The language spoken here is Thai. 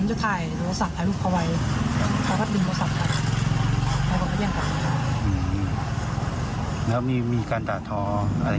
อยากให้ผลสภาพการเป็นพนักงานต้นรับ